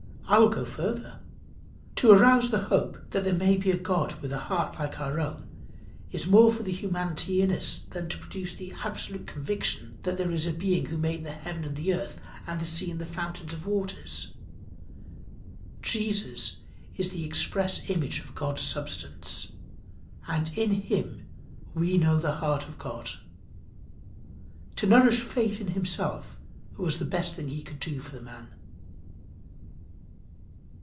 I will go further: To arouse the hope that there may be a God with a heart like our own is more for the humanity in us than to produce the absolute conviction that there is a being who made the heaven and the earth and the sea and the fountains of waters. Jesus is the express image of God's substance, and in him we know the heart of God. To nourish faith in himself was the best thing he could do for the man.